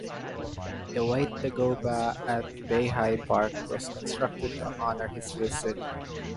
The White Dagoba at Beihai Park was constructed to honour his visit.